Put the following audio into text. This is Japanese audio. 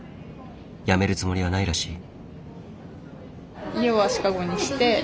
辞めるつもりはないらしい。